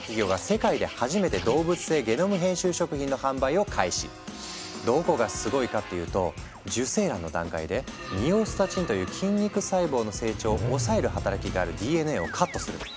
中でも私たちに身近なのがどこがすごいかっていうと受精卵の段階で「ミオスタチン」という筋肉細胞の成長を抑える働きがあるＤＮＡをカットするの。